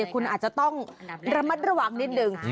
คุณอาจจะต้องระมัดระวังนิดนึง